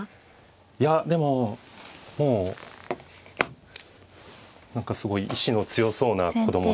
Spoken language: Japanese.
いやでももう何かすごい意志の強そうな子供というか。